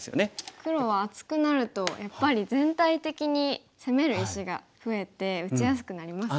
黒は厚くなるとやっぱり全体的に攻める石が増えて打ちやすくなりますね。